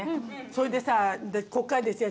それでさこっからですよ